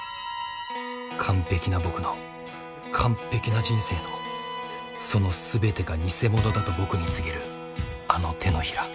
完璧な僕の完璧な人生のその全てが偽物だと僕に告げるあの手のひら。